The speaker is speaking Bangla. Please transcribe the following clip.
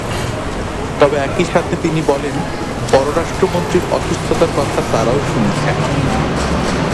তবে একই সাথে তিনি বলেন, পররাষ্ট্রমন্ত্রীর অসুস্থতার কথাও তারা শুনেছেন।